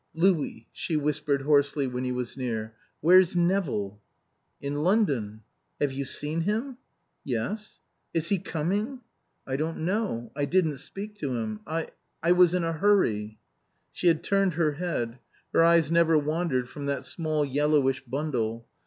"Louis," she whispered hoarsely when he was near, "where's Nevill?" "In London." "Have you seen him?" "Yes." "Is he coming?" "I don't know. I didn't speak to him. I I was in a hurry." She had turned her head. Her eyes never wandered from that small yellowish bundle.